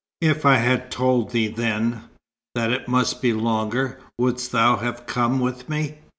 '" "If I had told thee then, that it must be longer, wouldst thou have come with me?